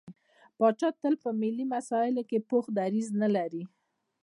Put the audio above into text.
پاچا تل په ملي مسايلو کې پوخ دريځ نه لري.